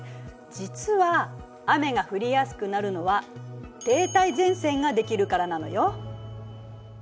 実は雨が降りやすくなるのは停滞前線ができるからなのよ。